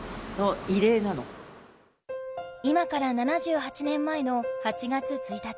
今から７８年前の８月１日。